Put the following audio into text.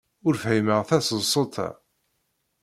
Ur fhimeɣ taseḍsut-a.